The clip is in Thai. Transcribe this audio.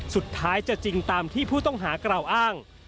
สุดท้ายจะจริงตามที่ผู้ต้องหากล่าวอ้าง